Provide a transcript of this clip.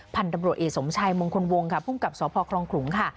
พันธุ์ตำรวจเอกสมชัยมงคลวงค่ะภูมิกับสพคลองขลุงค่ะ